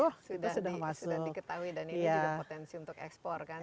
sudah diketahui dan ini juga potensi untuk ekspor kan